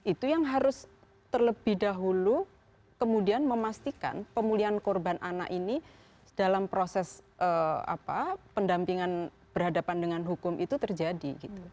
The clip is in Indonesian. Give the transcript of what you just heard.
itu yang harus terlebih dahulu kemudian memastikan pemulihan korban anak ini dalam proses pendampingan berhadapan dengan hukum itu terjadi